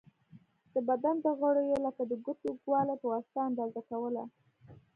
د بدن د غړیو لکه د ګوتو اوږوالی په واسطه اندازه کوله.